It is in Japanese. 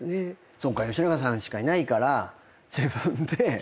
そっか吉永さんしかいないから自分で。